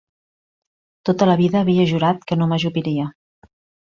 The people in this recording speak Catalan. Tota la vida havia jurat que no m'ajupiria